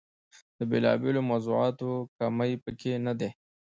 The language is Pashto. د بېلا بېلو موضوعاتو کمۍ په کې نه ده.